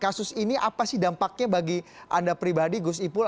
kasus ini apa sih dampaknya bagi anda pribadi gus ipul